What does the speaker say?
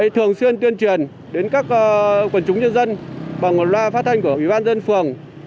thường xuyên tuyên truyền đến các quần chúng nhân dân bằng loa phát thanh của ủy ban dân phường